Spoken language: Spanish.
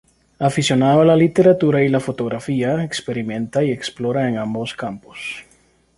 Aficionado a la literatura y la fotografía, experimenta y explora en ambos campos.